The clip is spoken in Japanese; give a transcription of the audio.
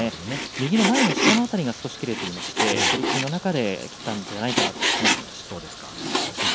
右の前の下辺りが少し切れていました取組の中で切ったんじゃないかなと話していました。